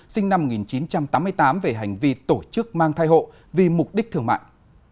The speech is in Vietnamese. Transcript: sinh năm một nghìn chín trăm tám mươi tám về hành vi tổ chức mang thai hộ vì mục đích thương mại